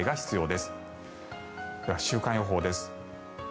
では、週間予報です。